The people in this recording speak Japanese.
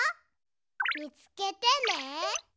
みつけてね。